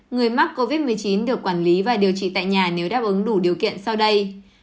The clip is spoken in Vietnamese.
người mắc covid một mươi chín được quản lý và điều trị tại nhà nếu đáp ứng đủ điều kiện sau đây